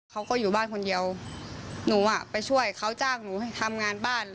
เขาก็อยู่บ้านคนเดียวหนูอ่ะไปช่วยเขาจ้างหนูให้ทำงานบ้าน